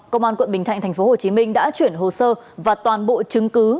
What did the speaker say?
công an quận bình thạnh tp hcm đã chuyển hồ sơ và toàn bộ chứng cứ